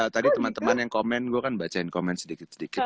tadi teman teman yang komen gue kan bacain komen sedikit sedikit